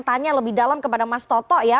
tanya lebih dalam kepada mas toto ya